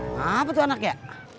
ngapet tuh anaknya